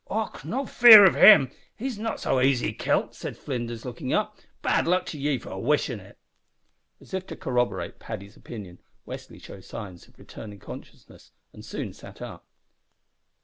"Och! no fear of him, he's not so aisy kilt," said Flinders, looking up. "Bad luck to ye for wishin' it." As if to corroborate Paddy's opinion, Westly showed signs of returning consciousness, and soon after sat up.